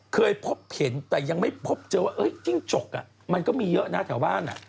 เคยพบเห็นแต่ยังไม่พบเจอว่าจิ้งจกมันก็มีเยอะนะแถวบ้าน